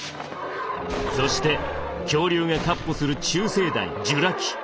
そして恐竜が闊歩する中生代ジュラ紀。